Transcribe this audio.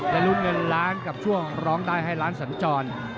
และลุ้นเงินล้านกับช่วงร้องได้ให้ล้านสัญจร